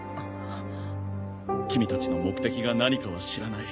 君たちの目的が何かは知らない。